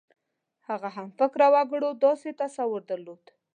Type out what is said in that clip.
هغه همفکره وګړو داسې تصور درلود.